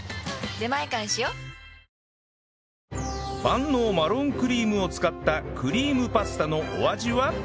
万能マロンクリームを使ったクリームパスタのお味は？